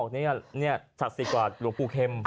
เนี่ยเนี่ยชัดสิกกว่าหลวงฝูเข้ม